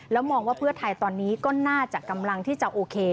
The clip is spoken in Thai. มองว่าเพื่อไทยตอนนี้ก็น่าจะกำลังที่จะโอเค